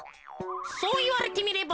そういわれてみれば。